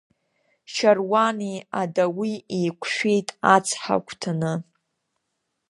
Шьаруани адауи еиқәшәеит ацҳа агәҭаны.